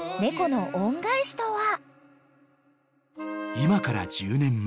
［今から１０年前］